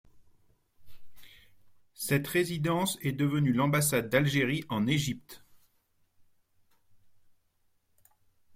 Cette résidence est devenue l'ambassade d'Algérie en Égypte.